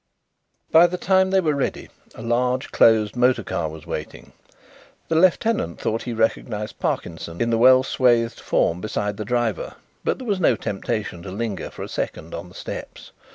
By the time they were ready a large closed motor car was waiting. The lieutenant thought he recognised Parkinson in the well swathed form beside the driver, but there was no temptation to linger for a second on the steps.